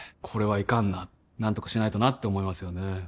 これはいかんな何とかしないとなって思いますよね